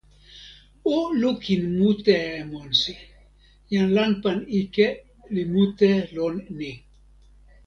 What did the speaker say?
o lukin mute e monsi. jan lanpan ike li mute lon ni.